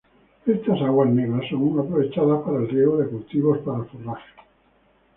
Estas aguas negras son aprovechadas para el riego de cultivos para forrajes.